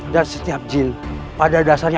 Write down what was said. dan setiap jin pada dasarnya